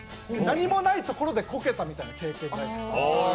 何もないところでコケたみたいな経験ないですか？